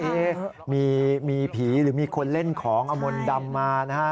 เอ๊ะมีผีหรือมีคนเล่นของอมนดำมานะฮะ